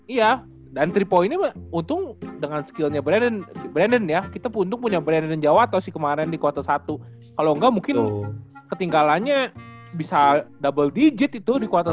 iya dan tiga poinnya mah untung dengan skillnya brandon brandon ya kita untung punya brandon dan jawa tau sih kemarin di quarter satu kalo ga mungkin ketinggalannya bisa double digit itu di quarter satu